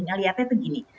ngelihatnya tuh gini